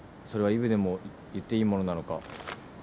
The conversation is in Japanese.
それはイブでも言っていいものなのか。